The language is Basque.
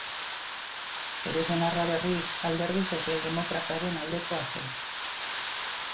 Bere senarra, berriz, Alderdi Sozialdemokrataren aldekoa zen.